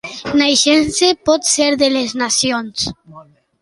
Naixences, potser de les nacions.